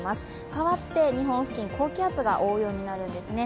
変わって日本付近、高気圧が覆うようになるんですね。